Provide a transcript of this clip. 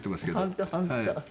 本当本当。